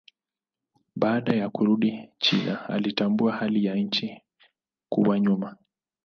Baada ya kurudi China alitambua hali ya nchi kuwa nyuma.